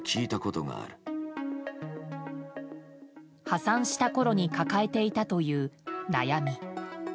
破産したころに抱えていたという悩み。